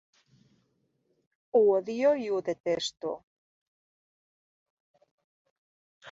Ho odio i ho detesto.